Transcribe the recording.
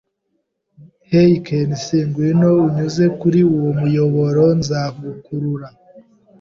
Hey, Ken'ichi, ngwino unyuze kuri uwo muyoboro. Nzagukurura.